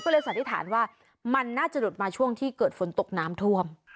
ก็เลยสันนิษฐานว่ามันน่าจะหลุดมาช่วงที่เกิดฝนตกน้ำท่วม